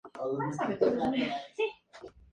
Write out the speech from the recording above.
Fue sucedido por su hermano al-Muqtádir.